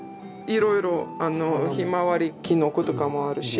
いろいろヒマワリキノコとかもあるし。